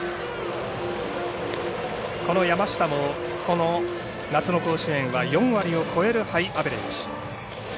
この山下もこの夏の甲子園は４割を超えるハイアベレージ。